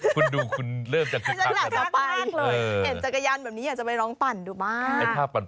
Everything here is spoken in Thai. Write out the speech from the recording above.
อ๋อถูกต้องปั่น